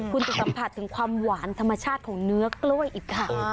คุณจะสัมผัสถึงความหวานธรรมชาติของเนื้อกล้วยอีกค่ะ